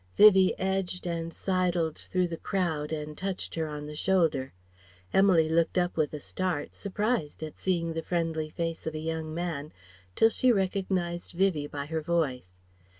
Vivie edged and sidled through the crowd and touched her on the shoulder. Emily looked up with a start, surprised at seeing the friendly face of a young man, till she recognized Vivie by her voice.